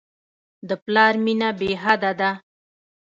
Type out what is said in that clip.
د پلار مینه بېحده ده.